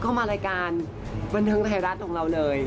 มารายการบันเทิงไทยรัฐของเราเลย